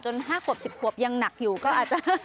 ๕ขวบ๑๐ขวบยังหนักอยู่ก็อาจจะ